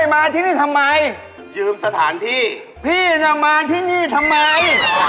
มาดูหมอมาดูที่นี่ทำไม